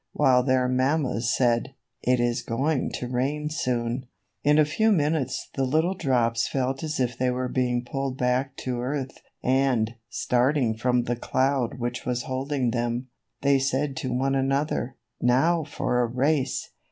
while their mammas said, ^Tt is going to rain soon." 134 THE WATER DROPS. In a few minutes the little drops felt as if they were being pulled back to earth, and, starting from the cloud which was holding them, they said to one another, ^^Now for a race!